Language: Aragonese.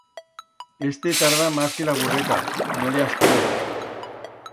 Este tarda mas que la burreta, no le asperez.